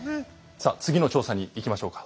さあ次の調査にいきましょうか。